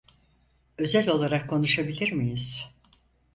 Özel olarak konuşabilir miyiz?